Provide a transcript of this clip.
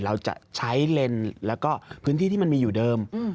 เราจะใช้เลนส์แล้วก็พื้นที่ที่มันมีอยู่เดิม